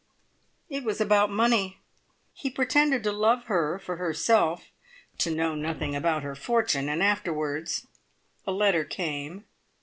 "It was about money. He pretended to love her for herself, to know nothing about her fortune, and afterwards a letter came.